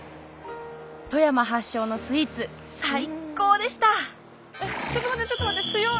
富山発祥のスイーツ最高でしたちょっと待って強い。